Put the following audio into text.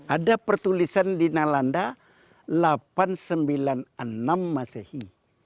ada pertulisan di nalanda seribu delapan ratus sembilan puluh enam masehi